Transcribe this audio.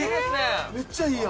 めっちゃいいやん！」